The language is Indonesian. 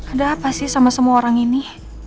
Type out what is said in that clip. ada apa sih sama semua orang ini